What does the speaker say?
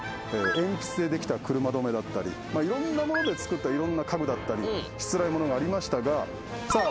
鉛筆でできた車止めだったり色んなもので作った色んな家具だったりしつらえものがありましたがさあ